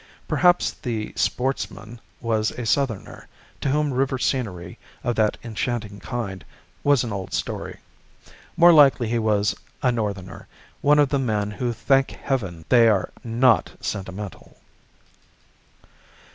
Perhaps the sportsman was a Southerner, to whom river scenery of that enchanting kind was an old story. More likely he was a Northerner, one of the men who thank Heaven they are "not sentimental."